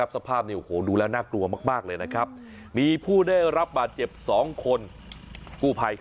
รถเนี่ยเกิดเหตุก่อนถึงวัดคลองเมืองจังหวัดพิศนุโลก